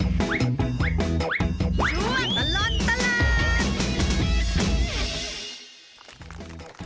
ช่วยตลอดตลาด